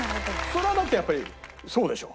そりゃだってやっぱりそうでしょ。